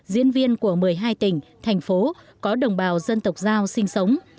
diễn viên của một mươi hai tỉnh thành phố có đồng bào dân tộc giao sinh sống